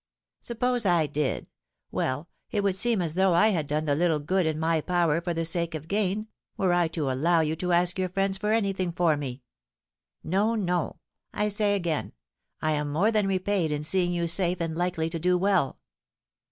"Suppose I did; well, it would seem as though I had done the little good in my power for the sake of gain, were I to allow you to ask your friends for anything for me! No, no; I say again, I am more than repaid in seeing you safe and likely to do well."